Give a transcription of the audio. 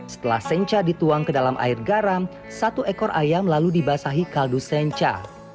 setelah senca dituang ke dalam air garam satu ekor ayam lalu dibasahi kaldu senca